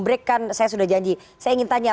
break kan saya sudah janji saya ingin tanya